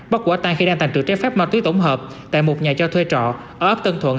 bắt quả tang khi đang thành trực trái pháp ma túy tổng hợp tại một nhà cho thuê trọ ở ấp tân thuận